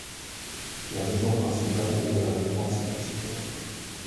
La maison principale est de la plus grande simplicité.